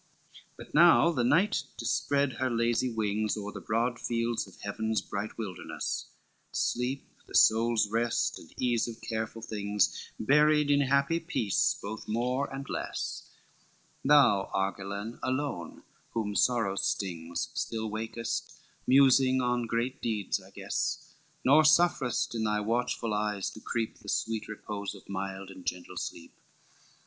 LVII But now the night dispread her lazy wings O'er the broad fields of heaven's bright wilderness, Sleep, the soul's rest, and ease of careful things, Buried in happy peace both more and less, Thou Argillan alone, whom sorrow stings, Still wakest, musing on great deeds I guess, Nor sufferest in thy watchful eyes to creep The sweet repose of mild and gentle sleep.